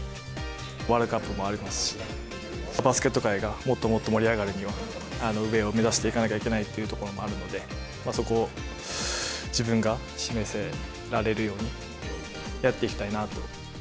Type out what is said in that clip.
ワールドカップもありますし、バスケット界がもっともっと盛り上がるには、上を目指していかなきゃいけないというところもあるので、そこを自分が示せられるようにやっていきたいなと。